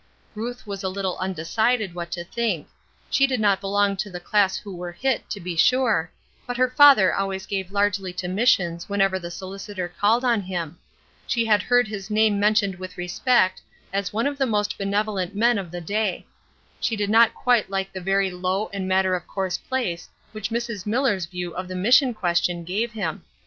Ruth was a little undecided what to think; she did not belong to the class who were hit, to be sure, but her father always gave largely to missions whenever the solicitor called on him: she had heard his name mentioned with respect as one of the most benevolent men of the day; she did not quite like the very low and matter of course place which Mrs. Miller's view of the mission question gave him.